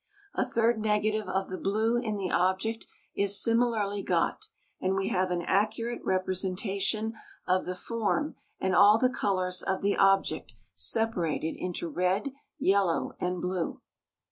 A third negative of the blue in the object is similarly got, and we have an accurate representation of the form and all the colors of the object separated into red, yellow, and blue.